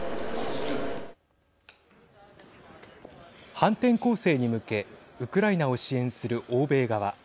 反転攻勢に向けウクライナを支援する欧米側。